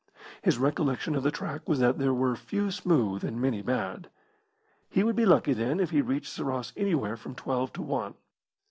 His recollection of the track was that there were few smooth and many bad. He would be lucky, then, if he reached Sarras anywhere from twelve to one.